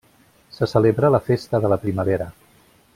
Se celebra la festa de la primavera.